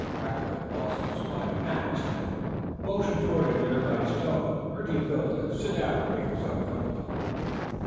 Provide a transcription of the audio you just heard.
Rackliff also supplied a match, and then motioned toward a near by stone, urging Phil to sit down and make himself comfortable.